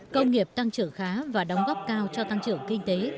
công nghiệp tăng trưởng khá và đóng góp cao cho tăng trưởng kinh tế